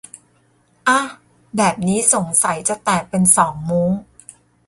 อ๊ะ แบบนี้สงสัยจะแตกเป็นสองมุ้ง